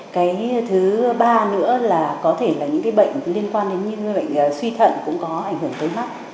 cái thứ ba nữa là có thể là những cái bệnh liên quan đến những bệnh suy thận cũng có ảnh hưởng tới mắt